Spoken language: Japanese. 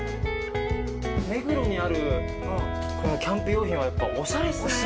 目黒にあるキャンプ用品はおしゃれっすね。